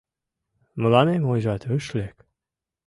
Мыланем ойжат ыш лек